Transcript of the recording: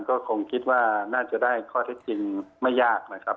ก็คงคิดว่าน่าจะได้ข้อเท็จจริงไม่ยากนะครับ